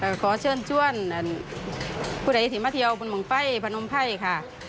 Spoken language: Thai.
ก็ขอเชิญผู้ใดที่มาเที่ยวบุญบังไฟพนมไฟค่ะ